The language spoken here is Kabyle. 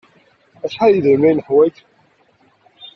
Acḥal n yedrimen ay neḥwaj?